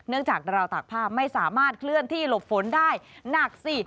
จากราวตากผ้าไม่สามารถเคลื่อนที่หลบฝนได้หนักสิ